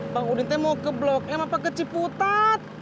pak odinte mau ke blok m apa keciputat